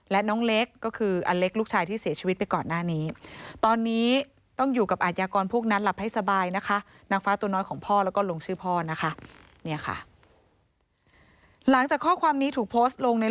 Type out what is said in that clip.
แล้วก็ลงชื่อพ่อนะคะเนี่ยค่ะหลังจากข้อความนี้ถูกโพสต์ลงใน